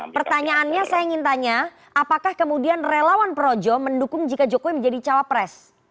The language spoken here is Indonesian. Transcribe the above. pertanyaannya saya ingin tanya apakah kemudian relawan projo mendukung jika jokowi menjadi cawapres